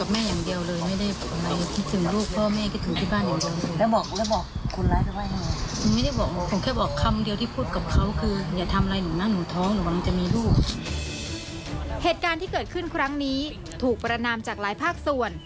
เหตุการณ์ที่เกิดขึ้นครั้งนี้ถูกประนามจากหลายภาคส่วน